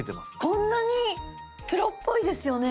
こんなに⁉プロっぽいですよね。